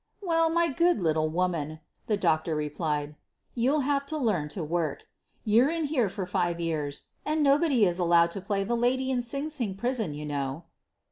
"Well, my good little woman," the doctor re plied, "you'll have to learn to work. You're in here for five years, and nobody is allowed to play the lady in Sing Sing Prison, you know."